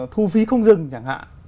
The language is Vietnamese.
thu phí không dừng chẳng hạn